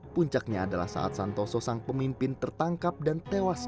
puncaknya adalah saat santoso sang pemimpin tertangkap dan tewas